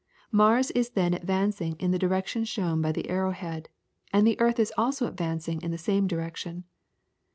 Mars is then advancing in the direction shown by the arrow head, and the earth is also advancing in the same direction.